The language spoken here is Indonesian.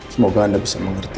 semoga anda bisa mengerti